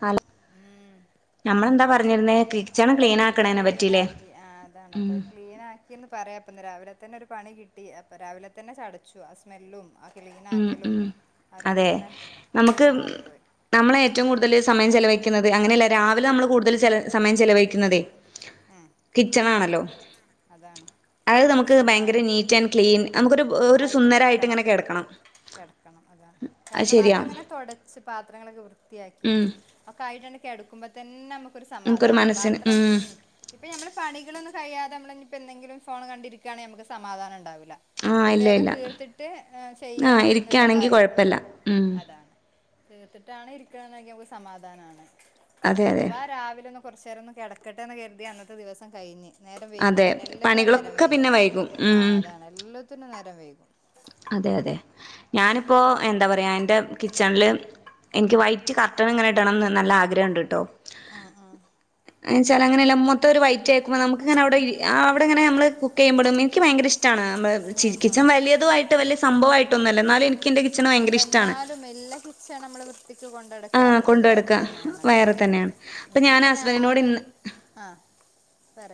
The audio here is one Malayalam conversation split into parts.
ഹലോ ഉം നമ്മളെന്താ പറഞ്ഞിരുന്നേ കിച്ചൺ ക്ലീൻ അതെനാപ്പ ആക്കണേനെ ക്ലീൻ പറ്റില്ലേ ആക്കി ആ ഉം അതാണപ്പം ക്ലീൻ ആക്കിന്ന് പറയാപ്പം ഇന്ന് രാവിലെ തന്നെ ഒരു പണികിട്ടി അപ്പം രാവിലെ തന്നെ ചടച്ചു ആ സ്മെല്ലും ആ ഉം ക്ലീനാക്കലും ഉം ആ ഒരു അതെ പ്രശ്നം നമുക്ക് തന്നെ മാറിപ്പോയി നമ്മളെ ഏറ്റവും കൂടുതൽ സമയം ചെലവഴി ക്കുന്നത് അങ്ങനെയല്ല രാവിലെ നമ്മള് കൂടുതൽ ചില സമയം ചെലവഴിക്കുന്നതെ ഉം കിച്ചൺ ആണല്ലോ [unintelligible] അതാണ് അത് നമുക്ക് ഭയങ്കര കിച്ചണിലാണ് നീറ്റ് ആൻഡ് ക്ലീൻ നമുക്കൊരു ഒരു ആയിട്ട് സുന്ദരമായിട്ട് നിക്കണം ഇങ്ങനെ കിടക്കണം കിടക്കണം അതാണ് അത് കാരണം ശരിയാ അതങ്ങനെ തുടച്ച് പാത്രങ്ങളൊക്കെ [unintelligible] വൃത്തിയാക്കി ഉം ഒക്കെ ആയിട്ടങ്ങനെ കെടക്കുമ്പോ തന്നെ നമുക്ക് നമുക്കൊരു സമാധാനം മനസ്സിന് പാത്രം ഉം ഉ ഇപ്പോൾ നമ്മുടെ പണികളൊന്നും കഴിഞ്ഞാൽ നമ്മളെ ഇപ്പോ എന്തെിലും ഫോൺ കണ്ടിരിക്കുകയാണ് നമുക്ക് സമാധം ഉണ്ടാവില്ല ആഹ് അത് ഇല്ല വേഗം ഇല്ല തീർത്തിട്ട് ആഹ് ചെയ്യാം ഇരിക്കാണെങ്കി എന്നുള്ളതായിരുന്നു കൊഴപ്പല്ല ഉം അതാണ് തീർത്തിട്ടാണ് സമാധാനമാണ് അതെ അതെ അഥവാ രാവിലെ കുറച്ച നേരം ഒന്ന് കിടക്കട്ടെന്ന് കരുതി അന്നത്തെ ദിവസം കഴിഞ്ഞ് നേരം അതെ പിന്നെ എല്ലാത്തിനും നേരം പണികളൊക്കെ വൈകി പിന്നെ വൈകും ആ ഉം അതാണ് എല്ലാത്തിനും വൈകും അതെ അതെ ഞാനിപ്പോൾ എന്താ പറയാ എൻ്റെ കിച്ചണില് എനിക്ക് ഉം. വൈറ്റ് കർട്ടൺ എങ്ങനെ കിട്ടാണം എന്ന് നല്ല ആഗ്രഹം ഉണ്ട് കേട്ടോ ആഹ ആഹ ആയ്ച്ച അങ്ങനെല്ല മുഖത്ത് ഒരു വൈറ്റ് പേപ്പർ ഉം നമുക്കെങ്ങനെ അവിടെ അവിടെങ്ങനെ നമ്മൾ കുക്ക് ചെയ്യുമ്പോഴും എനിക്ക് ഭയങ്കരഷ്ടം ഉം ചിരിപ്പിച്ച ഉം വലിയ ട്ട് വല്യ സംഭവായിട്ടൊന്നും അല്ല എന്നാലും എനിക്ക് എന്റെ കിച്ചണ് ഭയങ്കര അല്ല ഇഷ്ടാണ് എന്നാലും എല്ലാംകിച്ചണും നമ്മള് വൃത്തിക്ക് കൊണ്ട ആ നടക്കുന്നത് കൊണ്ട് വേറെ നടക്ക തന്നെയാണ് ല്ലോ വയറെ തന്നെയാണ് അപ്പൊ ഉം ഞാൻ ഇപ്പൊ ഹസ്ബൻഡിനോട് ഞാനും ഇന്ന് ആഹ പറ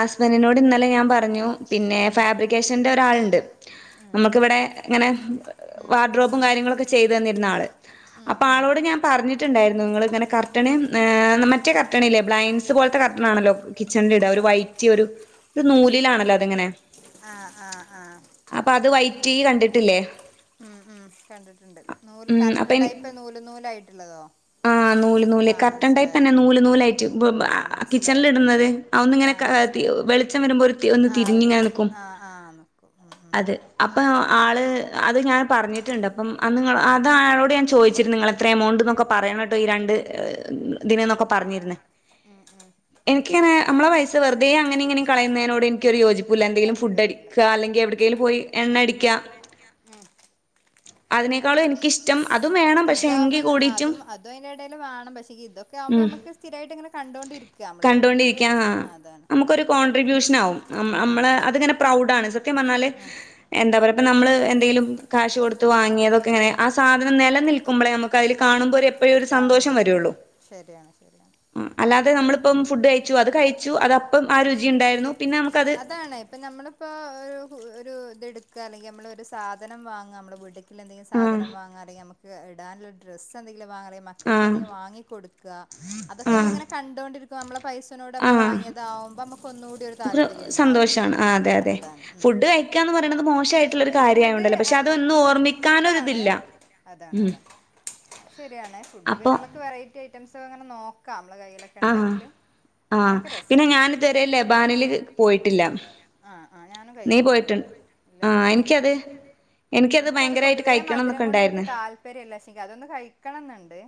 ഹസ്ബൻ്റെനോട് ഇന്നലെ ഞാൻ പറഞ്ഞു പിന്നെ ഫാബ്രിക്കേഷന്റെ രാളുണ്ട് മ്മക്കിവിടെ ങ്ങനെ ഉം വാർഡ്രോപ്പും കാര്യങ്ങളും ഒക്കെ ചെയ്തു തന്നിരുന്ന ആള്. ഉം അപ്പൊ ഉം ആളോട് ഞാൻ പറഞ്ഞിട്ടുണ്ടായിരുന്നു നിങ്ങൾ ഇങ്ങനെ കർട്ടണ് മറ്റേ കർട്ടണല്ലേ ബ്ലൈൻ്റസ് പോലത്തെ കർട്ടൺ ആണല്ലോ കിച്ചണിൽ ഇടന്നുത് ഒര് വൈറ്റ് ഒരു ഒരു നൂലിലാണല്ലോ അതിങ്ങനെ ആ ആ ആ ചീ കണ്ടിട്ടില്ലേ ഉം ഉം കണ്ടിട്ടുണ്ട്. നൂല് ഉം അപ്പൊ കർട്ടൺ എനി ടൈപ്പ് നൂല് നൂലയ് ട്ടുള്ളതോ ആ നൂല് നൂല് കർട്ടൺ ടൈപ്പ് ന്നെ. നൂല് നൂലായിട്ട് ആഹ് കിച്ചണിൽ മനസ്സിലായി ഇടുന്നത്. അതൊന്നിങ്ങനെ ആഹ് ക ത് മനസ്സിലായി വെളിച്ചം വരുമ്പോ ഒന്ന് ആഹ് വെള് തിരിഞ്ഞിങ്ങനെ നിക്കും ആഹ് ആഹ് നിക്കും ഉം ഉം അത് ഉം അപ്പ ആള് അത് ഞാൻ പറഞ്ഞിട്ടുണ്ട് അപ്പംഅന്നിങ്ങള് ഉം അത് ആളോട് ഞാൻ ചോദിച്ചിരുന്നു ങ്ങളെത്രയ എമൗണ്ട് പറയാൻ വിട്ട് പോയി ഈ രണ്ട് ദിനം എന്നൊക്കെ പറഞ്ഞിരുന്ന് ഉം ഉം എനിക്കങ്ങനെ മ്മളെ പൈസ വെറുതേ അങ്ങനെങ്ങിനെം കളയുന്നേനോട് എനിക്ക് ഒരു യോജിപ്പും ഇല്ല ക്കൂല്ല എന്തെങ്കിലും ഫുഡ് താല്പര്യല്ല അടിക്ക അല്ലെങ്കിൽ എവിടക്കെങ്കിലും പോയി എണ്ണ അടിക്കാ ഉം അതിനേക്കാളും എനിക്കിഷ്ടം അതും വേണം പക്ഷേ എങ്കി കൂടീട്ടും ഇത്അതിന്റെ ഇടയിൽ വേണം പക്ഷേ ഇതൊക്കെ ആകുമ്പോ മ്മക്ക് സ്ഥിരായിട്ട് ഇങ്ങനെ കണ്ടൊണ്ടിരിക്കലോ നമ്മള് ഇത് ആ അതാണ് നമുക്കൊരു കോൺട്രിബ്യൂഷനാവും ന ആ നമ്മള് അതാണ് അത്ങ്ങനെ പ്രൗഡാണ് സത്യം പറഞ്ഞാല് ഉം എന്താ പറ ഇപ്പ നമ്മള് എന്തെലും കാശ് കൊടുത്ത് വാങ്ങിയതൊക്കെ ഇങ്ങനെ ആ സാധനം നെലനിൽക്കുമ്പോളേ നമുക്ക് അതിൽ കാണുമ്പോര് രുരു സന്തോഷം കാണുമ്പോ വരുള്ളൂ ശരിയാണ് ശരിയാണ് അല്ലാെ അ നമ്മളിപ്പം ഫുഡ് കഴിച്ചു അത് കഴി അത്ശരി അതാണ് ഇപ്പൊ ഞമ്മളിപ്പോ ഒരു ഒരു ഇതടു ക്ക ആണെങ്കി നമ്മള ഒരു സാധനം വാങ്ങുക നമ്മള് വീട്ടക്ക് ട്ടിലെഞ്ന്തെലും ആഹ് സാധനം വാങ്അ ല്ലെങ്കി മ്മക്ക് എ ടാനൊര് ഡ്രസ് എന്തങ്കലി ല് വാങ്ങല് ആഹ് മക്കൾക്കെന്തെങ്കി വാങ്ങിക്കൊട്ക്ക്അ അതൊക്ക ആഹ് മ്മളിങ്ങനെ കണ്ടോണ്ടിരിക്യ നമ്മള [unintelligible] പൈസനോട് നമ്മൾ ആഹ് വാങ്ങിയത് പോവുമ്പോ നമ്മുക്ക് ഒന്ന് കൂടിയൊരു ഒരു താത്പര്യണ്ടാവും സന്തോഷാണ് ആ അതെ അതെ അതാണ് ഉം ഫുഡ് കഴിക്കാന്ന് പറയണത് ഫുഡ് മോശമായിട്ടുള്ളൊരു കഴിക്കണത് കാര്യായോണ്ടല്ല അ പക്ഷെ അ അ അതൊന്നും അ ഇഷ്ടാണ് ഓർമ്മിക്കാനൊരിതില്ല അതാണ് ഉം അതാണ് ശരിയാണ് ഫുഡ് പിന്നെ അപ്പൊ നമ്മുക്ക് വെറൈറ്റി ഐറ്റംസ് അങ്ങനെ നോക്കാം നമ്മളെ കൈലക്കെ ആഹ് ഒണ്ടെങ്കില് ആഹ് അങ്ങനൊക്കെ രസ പിന്നെ ഞാനിതുവരെ ലബാനില് പോയിട്ടില്ല ആഹ ഞാനും നീ കഴിച്ചിട്ടില്ലേ പോയിട്ട് അത് ഇല്ലല്ല ആഹ് കഴിച്ചിട്ടില്ല എനിക്കത് എനിക്കത് ഭയങ്കരായിട്ട് പൊതുവേ കഴിക്കണം മധുരം എന്നൊക്കെ കൊണ്ട് എനിക്ക് ഉണ്ടായിരുന്നു താല്പര്യം ഇല്ല ക്ഷ അതൊന്ന് കഴിക്കണം എന്നുണ്ട്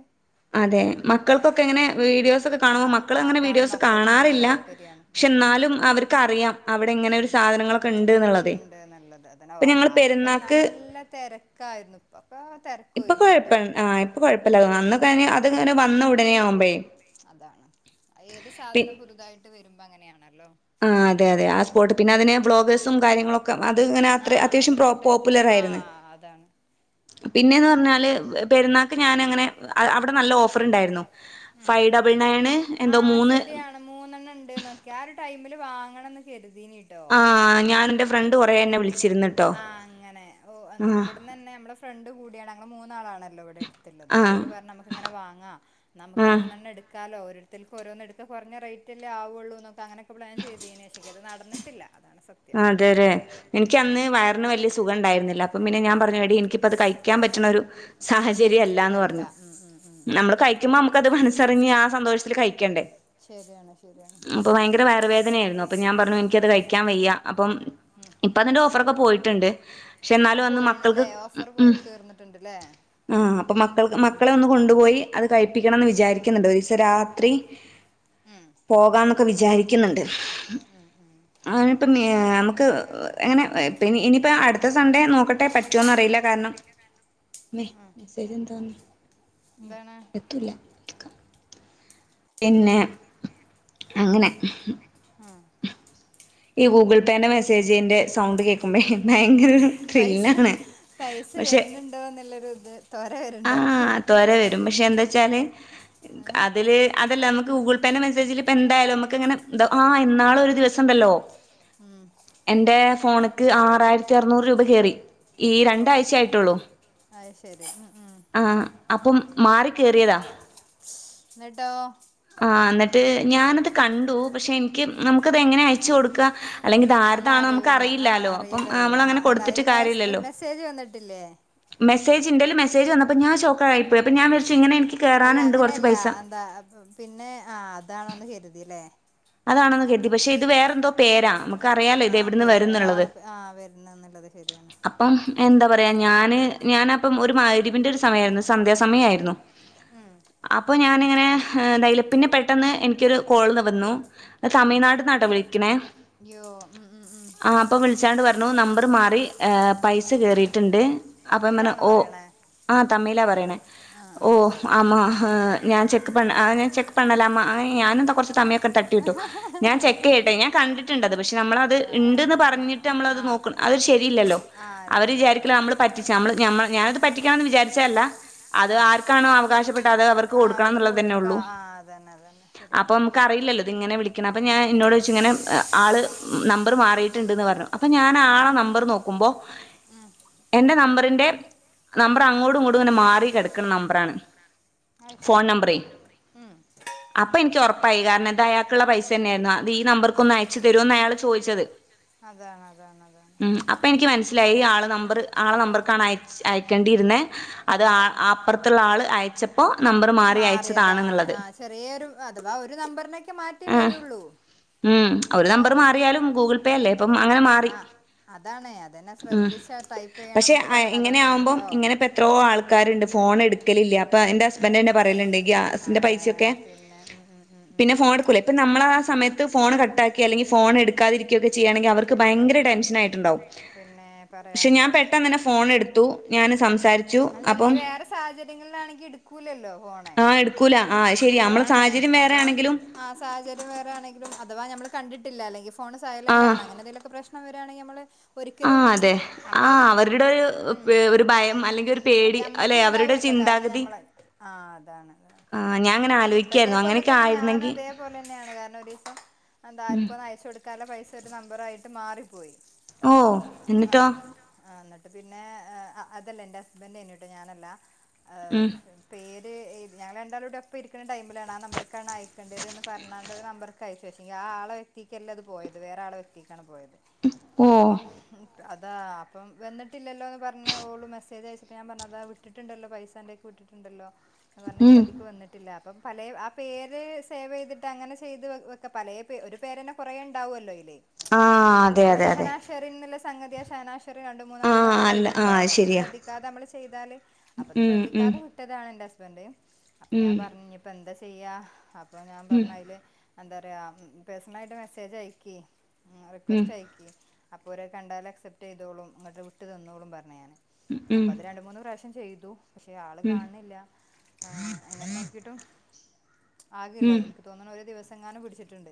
അതെ മക്കൾക്കൊക്കെ എങ്ങനെ വീഡിയോസ് ഒക്കെ കാണുമ്പോൾ മക്കള അങ്ങനെ വീഡിയോസ് കാണാറില്ല ശരിയാണ് പക്ഷെ ഉം എന്നാലും അവർക്കറിയാം അവിടെ ഇങ്ങനെ ഒരു ഉം സാധനങ്ങളൊക്കെ ഉണ്ട് എന്നുള്ളതേ ഉണ്ട്നുള്ളത് അതാ ഇപ്പൊ ഞങ്ങള് ആദ്യൊക്കെ പെരുന്നാക്ക് നല്ല തിരക്കായിരുന്നു ഇപ്പൊക്കെ തിരക്ക് ഒഴിഞ്ഞുട്ടോ അത്ങ്ങന പാകാ അത്ങ്ങനെ വന്ന ഉടനെ ആവുമ്പഴ പി ന്നെ വരുമ്പോ അങ്ങനെയണ് ആ അതെ അതെ ആ സ്പോർട്ട് പിന്നെ അതിനെ വ്ളോഗേഴ്സും കാര്യങ്ങളൊക്കെ അത് ഇങ്ങനെ ആ അത്ര അത്യാവശ്യം പ്രോ അതങ്ങട്ട് പോപ്പുലർ ആ ആയിരുന്നു അതാണ് പിന്നെയന്ന് പറഞ്ഞാല് പെരുന്നാൾക്ക് ഞാന് അങ്ങനെ അവിടെ നല്ല ഓഫർ ഉണ്ടായിരുന്നു ഉം ഫൈവ് ഡബിൾ നയന് ആ എന്തോ മൂന്ന് ശരിയാണ് മൂന്നെണ്ണണ്ട് നോക്കി ആ ടൈമി ല്‌ വാങ്ങണം എന്ന് കഴു ആഹ ഞാന എറെ ഫ്രണ്ട് കുറെ തന്നെ വിളു ആഹ് അങ്ങനെ ഓ ഇവിടന്ന്ന്നെ നമ്മടെ ഫ്രണ്ട് കൂടിയാണ് ഞെ മൂന്നാളാണല്ലോ ഇവിടെ എടുത്തിുള്ളത് ആ പോല പറഞ്ഞ നമുക്ക് ഇങ്ങനെ വാങ്ങാ നമുക്ക് ആ മൂന്നെണ്ണം എടുക്കാലോ ഒരിടത്തേക്ക് ഓരോന്ന എടുക്ക കുറഞ്ഞറേറ്റല്ലേ ആുകയുള്ളൂ എന്നക്ക അങ്ങനെ അ പ്ലൻ ചെയ്തേ ചത് നടന്നിട്ടില്ല അതാണ് സത്യം അതെേ എനിക്ക് ന്ന് വയറിന് വലിയ സുഖംണ്ടായിുന്നില്ല അപ്പൊ പിന്നെ ഞാൻ പറഞ്ഞടി എനിിക്കിപ്പ അത് കഴിക്കാൻ പറ്റുന്ന ഒരു സാഹചര്യംമല്ലാന്ന് മൂടല്ല പറഞ്ഞു ഉം ഉം ഉം ഉം നമ്മള് കഴിക്കുമ്പോ നമുക്കത് മനസ്സറങ്ങ ആ സന്തോഷത്തിൽ കഴിക്കണ്ടേ ശരിയാണ് ശരിയാണ് അപ്പൊ ഭയങ്കര വയറുവേദനയായിരുന്നു അപ്പൊ ഞാൻ പറഞ്ഞു എനിക്കത് കഴിക്കാൻ വയ്യ അപ്പം ഉം ഇപ്പ അതിന്റെ ഫൊക്കെ പോയിട്ടുണ്ട് പക്ഷെ എന്നാലും അത് അന്ന് മക്കൾക്ക് പോയണല്ലേ ഓഫർ ഉ പോയി തീർന്നിട്ടുണ്ട്ല്ലേ ആ അപ്പൊ മക്കൾക്ക് ഉം മക്കളെ ഒന്ന് കൊണ്ടുപോയി അത് കഴിപ്പിക്കണംമന്ന് വിചാരിക്കുന്നുണ്ട് ഒരു ദിവസം ത്രീ ഉം പോകാന്നൊക്കെ വിചാരിക്കുന്നുണ്ട് അ ഏ നമുക്ക് എങ്ങനെ പി ഇനിയിപ്പോ അടുത്ത സൺഡേ നോക്കട്ടെ പറ്റോന്ന അറിയില്ല കാരണം മെ ഉം മെസ്സേജ് എന്താ മ് എന്താണ് എത്തുല്ല പിന്നെ അങ്ങനെ ഉം ഈ ഗൂഗിൾ പേന്റെ മെസ്സേജിന്റെ സൗണ്ട് കേൾക്കുബെ പൈസ പൈസ വരുന്നുണ്ടോ എന്നുള്ളൊരു ത് ആ ത്വരെ വരും പക്ഷെ എന്താ വെച്ചാല് ഏഹ് അതില് അതല്ല നമുക്ക് ഗൂഗിൾ പേന്റെ മെസേജിൽ ഇപ്പ എന്തായാലും നമുക്ക് ഇങ്ങനെ ഒരു ദിവസം ഉണ്ടല്ലോ മ് ഫോണക്ക് ആറായിരത്തി അറുന്നൂറ് രൂപ കയറി ഓ അ ശരി മ് മ് ആ അപ്പം മാറി കയറിയതാ എന്നിട്ടോ ആ എന്നിട്ട് ഞാനത് കണ്ടു പക്ഷെ എനിക്ക് നമുക്കത് എങ്ങനെയ യിച്ചു കൊടുക്കാ ആന്ന് അറിയൂല ആ അറിയില്ലല്ലോ ആ നമ്മളങ്ങനെ അല്ല കൊടുത്തിട്ട് അതിന് മെ കാര്യല്ലല്ലോ മെസ്സേജ് വന്നിട്ടില്ലേ മെസ്സേജ് എന്റെ കയ്യിൽ മെസ്സേജ് വന്നപ്പോ ഞാൻ ഷോക്ക് ആയി പോയി അപ്പോൾ ഞാൻ വിചാരിച്ചു ഇങ്ങനെ എനിക്ക് അല്ല കേറാനുണ്ട് കൊറച്ച് അങ്ങനെയല്ല പൈസ എന്താ പിന്നെ ആ അതാണോന്ന് കരുതില്ലേ അതാണെന്ന് കരുതി പക്ഷെ ഇത് വേറെ എന്തോ പേരാ നമുക്കറിയാലോ ആ ഇത് എവിടുന്ന് പേര് വരുംന്നുള്ളത് ഒരാള് ആ വരുന്നന്നുള്ളത് ശരിയാണ് അപ്പം എന്താ പറയാ ഞാന് ഞാൻ അപ്പം ഒരു മഹ്റിബിന്റെ ഒരു സമയമായിരുന്നു സന്ധ്യാസമയമായിരുന്നു ഉം അപ്പൊ ഞാനെ ഇങ്ങനെ [unintelligible] പിന്നെ പെട്ടെന്ന് എനി എനിക്കൊരു കോള് ത് വന്നു ഉം തമിഴ്നാട്ടീന്നാട്ടോ വിളിക്കണേ യ്യോ ഉം ഉം ഉം ആ അപ്പൊ വിളിച്ചാള് പറഞ്ഞു നമ്പർ മാറി പൈസ കേറിയിട്ടുണ്ട് അപ്പം ഇങ്ങനെ തമിഴിലാണോ ഓ പറയണേ അത് തമിഴിലാ പറയണെ ആഹ് ഓ ആഹ് ഓക്കെ ആമ ഞാൻ ചെ ക്ക് പൺ ഞാൻ ചെക്ക് പണ്ണലാമാ അങ്ങനെന്തോ കൊർച്ച്‌ തമിഴ് ക്കെ തട്ടി വിട്ടു. ഞാൻ ഓക്കെ ചെക്കെയ്യട്ടെ. ഞാൻ കണ്ടിട്ട്ണ്ടത്. പക്ഷെ നമ്മളത് ആഹ് ഇണ്ട്ന്ന് ആഹ് പറഞ്ഞിട്ട് അമ്മളത് ആഹ് നോക്ക് ഫ്രൂ അത് ശരീല്ലല്ലോ. ആഹ് അവര് അല്ലല്ലോ വിചാരിക്കൂല്ലേ അതന്നെ നമ്മള് പറ്റിച്ച് നമ്മള് ഞമ്മ ഞാനത് പറ്റിക്കണന്ന് വിചാരിച്ചെ അല്ല. അത് ആഹ് ആർക്കാണോ അവകാശപ്പെട്ടത് അത് അവർക്ക് ആഹ് കൊടുക്കണം ന്ന്ള്ളത് തന്നെ കൊടുക്കാ ഉള്ളൂ. ആഹ് അതന്നെ അതന്നെ അപ്പൊ ശരിയാണ് മ്മുക്ക് അറിയില്ലല്ലോ ഇത് ഇങ്ങനെ വിളിക്കണം അപ്പൊ ഞാൻ എന്നോടോയ്ച്ച് ഇങ്ങനെ ആള് നമ്പറ് മാറിയിട്ടുണ്ടെന്ന് പറഞ്ഞു. അപ്പൊ ഞാൻ ആളെ നമ്പർ നോക്കു ക്കുമ്പോ ഉം എന്റെ നമ്പർ തിന്റെ ഉം നമ്പറ് അങ്ങോടും ഇങ്ങോടും ഇങ്ങനെ മാറി കെട ക്കണ നമ്പറാണ്. അത് ഫോൺ ശരി നമ്പറേ. ഉം അപ്പൊ എനിക്ക് ഒറപ്പായി കാരണം ഇതയാക്കുള്ള പൈസ തന്നെയായിരുന്നു. അത് ഈ നമ്പർക്കൊന്ന് അയച്ചു തരുമോന്ന് അയാള് ചോയിച്ചത്. അതാണ് അതാണ് അതാണ് പ്പെനിക്ക് മനസ്സിലായി. ആള് നമ്പറ് ആളെ നമ്പർക്കാണ് അയച്ച് അയക്കേണ്ടിയിരുന്നെ. അത് ആഹ് അപ്പുറത്തുള്ള ആള് അയച്ചപ്പോ നമ്പറ് മാറി മാറിയതാണ് അയച്ചതാണെന്നുള്ളത്. ആഹ് ചെറിയൊരു അഥവാ ഒരു നമ്പറിനെക് ഉം ഒര് നമ്പറ് അതാണ് മാറിയാലും ഗൂഗിൾ പേ അല്ലേ? ഇപ്പം അങ്ങനെ മാറി ആഹ് അതാണേ. ഉം പക്ഷെ ഇങ്ങനെ ആവുമ്പോ അതുകൊണ്ടാണല്ലോ ഇങ്ങനെപ്പ എത്രയോ ആൾക്കാരുണ്ട് ഫോൺ എടുക്കലില്ല. ഇപ്പ എന്റെ ഹസ്ബൻ്റ്ന്നെ പറയലുണ്ട് ആ ഗ്യാസിന്റെ പൈസക്കെ പിന്നെ ഉം ഉം ഉം ഉം പിന്നെ ഫോൺ ടുക്കൂലെ പ്പം നമ്മളാസമയത്ത് ഫോൺ ക ട്ടാക്കെ അല്ലെങ്കി ഫോൺ എടുക്കാതിരിക്ക്യോക്കെ ചെയ്യാണെങ്കി അവർക്ക് ഭയങ്കര ടെൻഷണായിട്ടുണ്ടാവും പിന്നെ ക്ഷെ ഞാൻ പറയാണ്ടോ പെട്ടെന്നെന്നെ ഫോൺ എടുത്തു. ഞാന് സം അല്ല നീ വേറെ സാഹചര്യങ്ങൾലാണെങ്കി എടുക്കൂലല്ലോ ഫോണ്. ആഹ് എടുക്കൂല ആഹ് ശരി നമ്മളെ അതാണ് സാഹചര്യം വേറെ അപ്പൊ ആണെങ്കിലും ആ സാഹചര്യം വേറെ ആണെങ്കിലും അഥവാ ഞമ്മള് കണ്ടി ഇല്ല അല്ലെങ്കി ഫ്‌ ഫോണ് സൈലന്റ് ആണ്. അങ്ങനെന്തേലൊക്കെ പ്രശ്ണം വെ വേണെഇ അമ്മള് ആഹ് അതെ ആഹ് അവരുടെ ഒരു ഹ് ഉം ബ് ഒരു ഭയംമ അത് യമ്മക്കുണ്ടാവോല്ലോ കാരണം നമ്മള ആഹ് അതാണ് ആ ഞാൻ അങ്ങനെ ആലോയിക്കായിരുന്നു പ്പതേപോലെ അങ്ങനെയൊക്കെ തന്നെ ഞാനും ആയിരുന്നെങ്കി അതേപോലെന്നെയാണ് കാരണം ഒരീസം എന്താർക്കൊന്നു അയച്ചൊട് കല പൈസ ഒരു നമ്പറായിട്ട് മാറി. പോയി ഓ ആ എന്നിട്ടോ ആ എന്നട്ട് പിന്നെ അതല്ലേ ഉണ്ട് ഹസ്ബന്റ് തന്നിട്ട് ഞാനല്ലാ ആ ഉം പേര് ഞൾ രണ്ടും കൂടെ ഒപ്പം ഇരിക്കുന്ന ടൈമിലാണ് ആ നമ്പർക്കാണ് അയക്കേണ്ടത് എന്ന് പറഞ്ഞാൊണ്ട് ഒരു നമ്പർക്ക് അയച്ചു പക്ഷെങ്ക ആ വ്യക്തിക്കല്ലേ അത് പോയത് ആ വ്യക്തിക്കാണ് പോയത് ഓ അപ്പ അതാ അപ്പം വന്നിട്ടില്ലല്ലോ എന്ന് പറഞ്ഞഞ് ഓള് മെസ്സേജ് അയച്ച അപ്പൊ ഞാൻ പറഞ്ഞതാ വിട്ടിട്ടുണ്ടല്ലോ പൈസ എന്റെ ഒക്കെ വിട്ടിട്ടുണ്ടല്ലോ ഉം പറഞ്ഞൽധിക വന്നിട്ടില്ല അപ്പം പല ആ പേര് സേവ് ചെയ്തിട്ട് അങ്ങനെ ചെയ്ത് വക്ക പല ഒരു പേര് തന്നെ കുറേ ഉണ്ടാവുമല്ലോ ഇൽ ആ അതെ അതെ അതെ സംഗതിയ ഷാനാ രണ്ട ആ മൂന്നാലും ഒക്ക അല്ല ആ ആയിട്ടുണ്ടാക അത് അപ്പ ശരിയാ ശ്രധിക്കണം നമ്മള് ചെയ്താല് അപ്പൊ അത് ഉം ഉം ശ്രദ്ധിക്കാതെ കുറ്റതാണ് എന്റെ ഹസ്ബൻ്യും അപ്പൊ ഞാൻ ഉം പറഞ്ഞ ഇപ്പൊ എന്താ ചെയ്യ അപ്പൊ ഞാൻ ഉം പറഞ്ഞ അതില് എന്താ പറയാ പേഴസണൽ ആയിട്ട് മെസ്സേജ് അയക്കി മ് ഉം റിക്വസ്റ്റ് അയക്കി അപ്പോഅവരത് കണ്ടാൽ അക്സെപ്റ്റ് ചെയതോളും ഇങ്ങട്ട് വിട്ട് തന്നോളും പറഞ്ഞു ഞാന് ഉം ഉം അപ്പൊത് രണ്ട് മൂന്ന് പ്രാവശ്യം ചെയ്തു പക്ഷെ ആള് ഉം കാണണില്ല ആ എങ്ങനെ നോക്കിട്ടും ആകില്ലേ ഉം. എനിക്ക് തോന്നണെ ഒരു ദിവസം ചെങ്ങാനും പിടിച്ചിട്ടുണ്ട്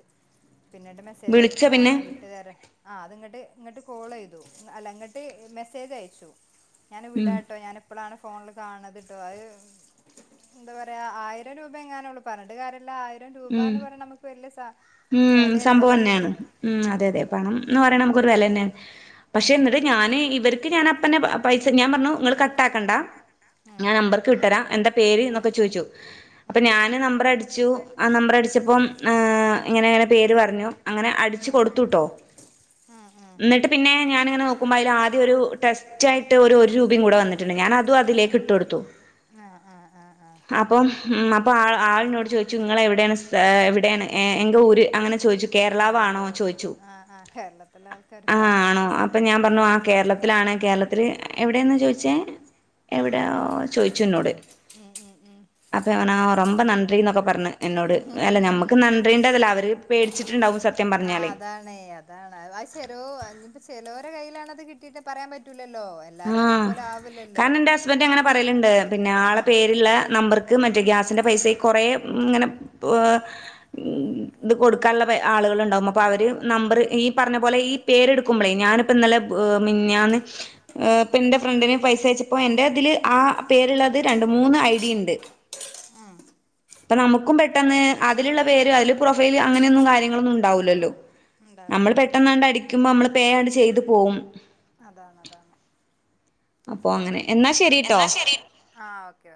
പിന്നീട് മെസ്സേജ് വിളിച്ചോ അയക്ക്ണാ പിന്നെ ഞാൻ വിട്ടുതരാം ആ അത് ഇങ്ങട്ട് ഇങ്ങട്ട് കോൾ ചെയ്തു അല്ല ഇങ്ങട്ട് മെസ്സേജ് അയച്ചു ഞാൻ ഉം വിടാ ട്ടോ ഞാൻ ഇപ്പളാണ് ഫോണില് കാണണത് ട്ടോ അത് എന്താ പറയാ ആയിരം രൂപ എങ്ങാനും ഒള്ളു പറഞ്ഞിട്ട് കാര്യല്ല അ - യിരം ഉം രൂപാന്ന് പറിണെ റയ നമുക്ക് വല്ല്യ സ - ഉം സംഭവം തന്നെയാണ്. ഉം അതെ അതെ പണം എന്ന് പറയണ നമുക്കൊരു വെല തന്നെയാണ്. പക്ഷെ എന്നിട്ട് ആഹ് ഞാന് ഇവർക്ക് ഞാൻ അപ്പന്നെ പൈസ ഞാൻ പർഞ്ഞു ങ്ങള് കട്ടാക്കണ്ട ഞാൻ നമ്പർക്ക് വിട്ടരാം. എന്ത പേര്ന്നൊക്കെ ചോയ്ച്ചു. അപ്പൊ ഉം ഞാന് നമ്പർ അടി ച്ചു. ആ നമ്പർ അടിച്ചപ്പം ഏഹ് ഇങ്ങനേണ് പേര് പർഞ്ഞു. അങ്ങനെ അടിച്ച് കൊടുത്തുട്ടോ. ഉം ഉം ഉം ന്നട്ട് പിന്നെ ഞാന് ങ്ങനെ നോക്കുമ്പോ അയില് ആദ്യം ഒരു ടെസ്റ്റായിട്ട് ഒരു ഒരൂപയും കൂടെ വന്നിട്ടുണ്ട്. ഞാന് അതും അതിലേക്ക് ഇട്ട് കൊടുത്തു. ആഹ് ആഹ് ആഹ് ആഹ് അപ്പം ഉം അപ്പോ ആ ആളിന്നോട് ചോയ്ച്ചു നിങ്ങളെ എവിടെയാണ് എവിടെയാണ് ഏ എങ്കെ ഊര് അങ്ങനെ- ചോയ്ച്ചു കേരളവ് ആണോ ചോയ്ച്ചു ആഹ് ആഹ് കേരളത്തിലെ ആൾക്കാര് ആ ഉഷാറാന്ന് ആണോ അപ്പ ഞാൻ മനസ്സിലായി പറഞ്ഞു ആ കേളത്തിലാണ്. കേരളത്തില് എവിടെന്ന ചോയ്ച്ചേ എവിടെയോ ചോയ്ച്ചുന്നോട് ഉം ഉം ഉം അപ്പം ഞാൻ പറഞ്ഞു റൊമ്പ നൻഡ്രി ന്നൊക്കെ പ - പറഞ്ഞു എന്നോട് അല്ല നമുക്ക് ന- നീണ്ടതല്ലേ അവര് പേടിച്ചിട്ടുണ്ടാവും സത്യം ആ പറഞ്ഞാല് അതാണേ അതാണ് അത് ചെലോ ഇനിയിപ്പോ ചെലോരെ കയ്യിലാണത് കിട്ടിയിട്ട് പറയാൻ പറ്റൂല ആ കാരണം എന്റെ ഹസ്ബന്റ് അങ്ങനെ പറയല്ണ്ട് പിന്നെ ആ ആളെ പേരിള്ള നമ്പറ് മറ്റേ ഗ്യാസിന്റെ പൈസ കൊറേ ഇങ്ങനെ ഇത് കൊടുക്കാനുള്ള ആളുകണ്ടാവും അപ്പൊ അവര് നമ്പർ ഈ പറഞ്ഞ പോലെ ഈ പേരെടുക്കുമ്പോളേ ഞാനിപ്പോ ഇന്നലെ മെഞ്ഞാന്ന് ഇപ്പൊ എന്റെ ഫ്രണ്ടിന് പൈസ അയച്ചപ്പോ എന്റെ ഇതില് ആ പേരുള്ളത് രണ്ട് മൂന്ന് ഐഡി ഉണ്ട് ഉം അപ്പ നമുക്കും പെട്ടെന്ന് അതിലുള്ള പേര് അതില് പ്രൊഫൈല് അങ്ങനെയൊന്നും കാര്യങ്ങളൊന്നും ഉണ്ടാവില്ലല്ലോ നമ്മൾ ഉണ്ടാവില്ല അതാണ് പെട്ടന്നാണ്ട് അടിക്കുമ്പോ നമ്മള് പേ ആണ്ട് ചെയ്ത് പോവും അതാണ് അപ്പൊ അങ്ങനെ എന്നാ ശരിട്ടോ എന്നാ ശരി ഓക്കേ